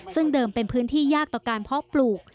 ซึ่งเดิมเป็นพื้นที่ยากต่อการเพาะปลูก